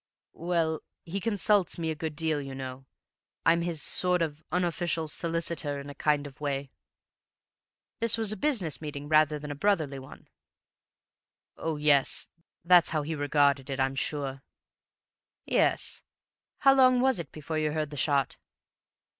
"Well, he consults me a good deal, you know. I'm his sort of unofficial solicitor in a kind of way." "This was a business meeting rather than a brotherly one?" "Oh, yes. That's how he regarded it, I'm sure." "Yes. How long was it before you heard the shot?"